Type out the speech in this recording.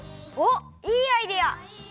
おっいいアイデア！